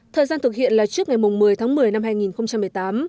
thời gian thực hiện là trước ngày một mươi tháng một mươi năm hai nghìn một mươi tám